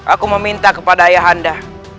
aku meminta kepada ayah anda